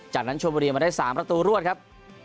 จากนั้นชมบุรีมาได้๓ประตูรวดครับ